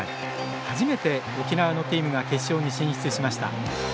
初めて、沖縄のチームが決勝に進出しました。